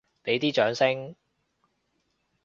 畀啲掌聲！